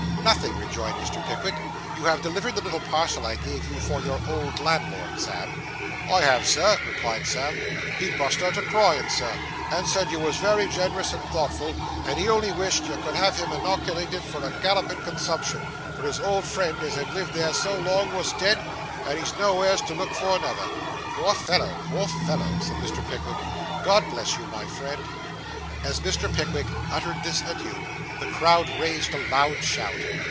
'Nothing,' rejoined Mr. Pickwick. 'You have delivered the little parcel I gave you for your old landlord, Sam?' 'I have, Sir,' replied Sam. 'He bust out a cryin', Sir, and said you wos wery gen'rous and thoughtful, and he only wished you could have him innockilated for a gallopin' consumption, for his old friend as had lived here so long wos dead, and he'd noweres to look for another.' Poor fellow, poor fellow!' said Mr. Pickwick. 'God bless you, my friends!' As Mr. Pickwick uttered this adieu, the crowd raised a loud shout.